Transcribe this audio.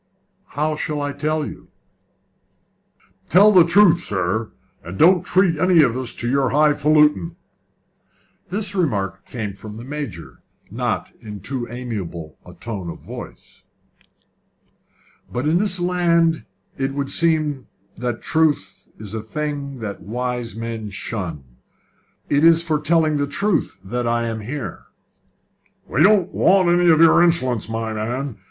"How shall I tell you?" "Tell the truth, sir, and don't treat us to any of your high faluting." This remark came from the Major not in too amiable a tone of voice. "But in this land it would seem that truth is a thing that wise men shun. It is for telling the truth that I am here." "We don't want any of your insolence, my man!